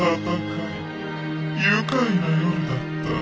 愉快な夜だった。